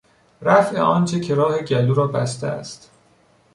رفع آنچه که راه گلو را بسته است